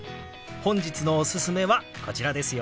本日のおすすめはこちらですよ。